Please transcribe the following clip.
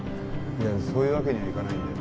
いやそういうわけにはいかないんで。